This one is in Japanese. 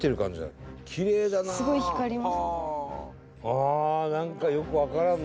ああなんかよくわからんな。